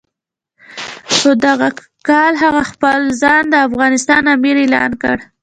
په دغه کال هغه خپل ځان د افغانستان امیر اعلان کړ.